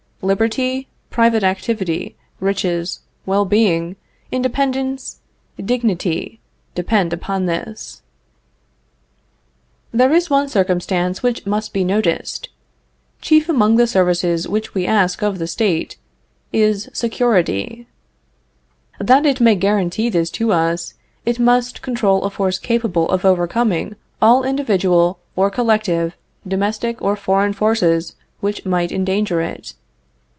Liberty, private activity, riches, well being, independence, dignity, depend upon this. There is one circumstance which must be noticed: Chief among the services which we ask of the State is security. That it may guarantee this to us it must control a force capable of overcoming all individual or collective domestic or foreign forces which might endanger it.